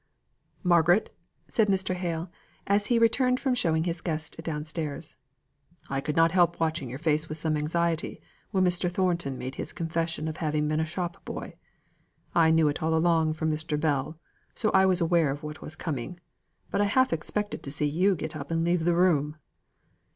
"Margaret!" said Mr. Hale as he returned from showing his guest downstairs; "I could not help watching your face with some anxiety, when Mr. Thornton made his confession of having been a shop boy. I knew it all along from Mr. Bell; so I was aware of what was coming; but I half expected to see you get up and leave the room."